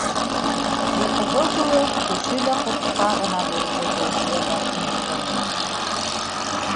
Йоҡоһо кеүек, төшө лә ҡыҫҡа ғына булды Фәүзиә- Барсынбикәнең.